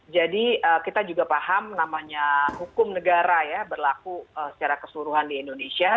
jadi kita juga paham namanya hukum negara ya berlaku secara keseluruhan di indonesia